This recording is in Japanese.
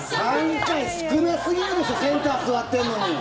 ３回、少なすぎるでしょセンター座ってるのに！